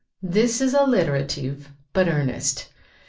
This is alliterative, but earnest.